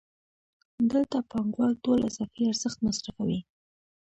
دلته پانګوال ټول اضافي ارزښت مصرفوي